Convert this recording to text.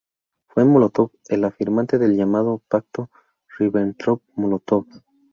Fue Mólotov el firmante del llamado Pacto Ribbentrop-Mólotov.